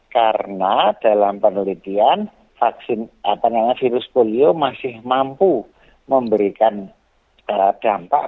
karena dalam penelitian virus polio masih mampu memberikan dampak